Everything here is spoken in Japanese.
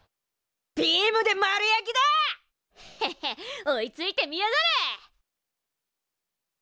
ビームで丸焼きだ！へへっ追いついてみやがれ！